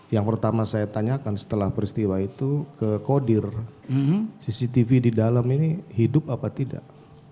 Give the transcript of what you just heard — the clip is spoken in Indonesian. yang pertama saya tanyakan setelah peristiwa itu ke kodir cctv di dalam ini hidup apa tidak